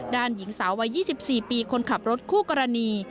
หญิงสาววัย๒๔ปีคนขับรถคู่กรณี